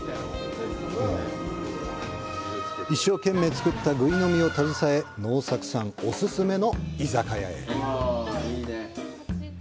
一生懸命作ったぐい呑を携え、能作さんお勧めの居酒屋へ。